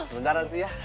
sebentar nanti ya